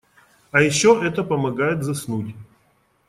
А ещё это помогает заснуть.